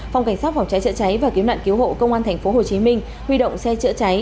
phòng cảnh sát phòng cháy trợ cháy và kiếm nạn cứu hộ công an tp hcm huy động xe trợ cháy